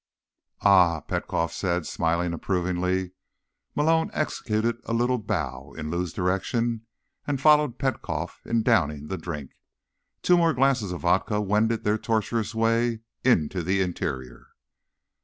"Ah," Petkoff said, smiling approvingly. Malone executed a little bow in Lou's direction and followed Petkoff in downing the drink. Two more glasses of vodka wended their tortuous ways into the interior.